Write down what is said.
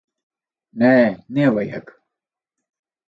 Nē, nevajag.